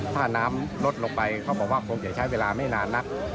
ถ้าน้ำลดลงไปเขาบอกว่าคงจะใช้เวลาไม่นานนัก